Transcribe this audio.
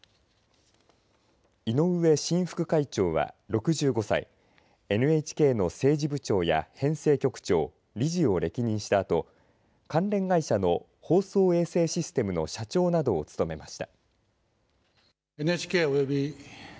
井上・新副会長は６５歳ＮＨＫの政治部長や編成局長理事を歴任したあと関連会社の放送衛星システムの社長などを務めました。